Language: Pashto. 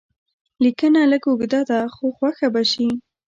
لیکنه لږ اوږده ده خو خوښه به شي.